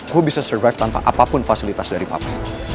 gue bisa survive tanpa apapun fasilitas dari papa